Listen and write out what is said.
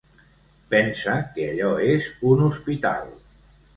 Pensa que allò és un hospital.